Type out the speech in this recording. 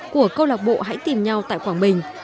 của câu lạc bộ hãy tìm nhau tại quảng bình